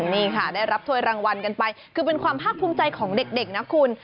นี่ค่ะได้รับถ้วยรางวัลกันไปคือเป็นความภาคภูมิใจของเด็กนะคุณ